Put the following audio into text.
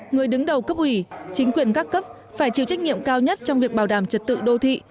người đứng đầu cấp ủy chính quyền các cấp phải chịu trách nhiệm cao nhất trong việc bảo đảm trật tự đô thị